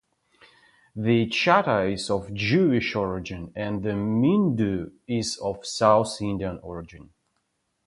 The ""Chatta"" is of Jewish origin and the ""Mundu"" is of South Indian origin.